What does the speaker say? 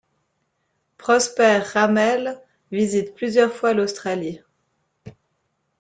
Prosper Ramel visite plusieurs fois l'Australie.